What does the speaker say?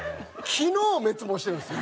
昨日滅亡してるんですよ。